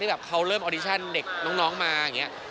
แบบเขาเริ่มออดิชั่นเด็กน้องมาอย่างนี้